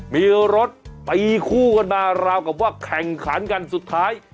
มีรถตีคู่กันมาราวกับว่าแข่งขันกันสุดท้าย